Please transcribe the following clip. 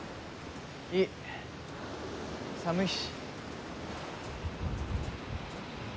いい寒いし。